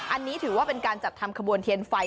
อันนี้ถือว่าเป็นการจัดทำขบวนเทียนไฟ